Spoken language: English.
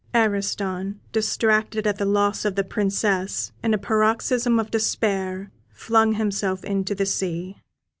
Ariston, distracted at the loss of the Princess, in a paroxysm of despair, flung himself into the sea.